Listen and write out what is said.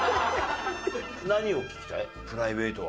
何を聞きたい？